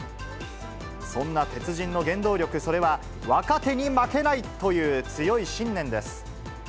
そんな鉄人の原動力、それは、若手に負けないという強い信念です。